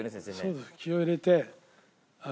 そうです気を入れて。